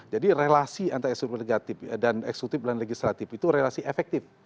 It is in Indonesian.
jadi relasi antirelaksisif dan eksekutif dan legislatif itu relasi efektif